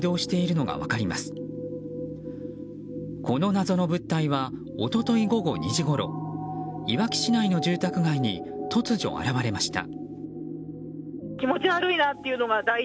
この謎の物体は一昨日午後２時ごろいわき市内の住宅街に突如、現れました。